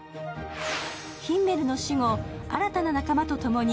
ヒンメルの死後、新たな仲間と共に